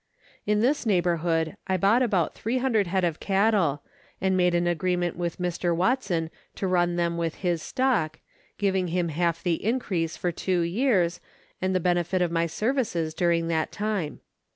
In this neighbourhood I bought about 300 head of cattle, and made an agreement with Mr. Watson to run them with his stock, giving him half the increase for two years, and the benefit of my services during that time.